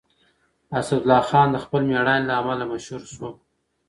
اسدالله خان د خپل مېړانې له امله مشهور شو.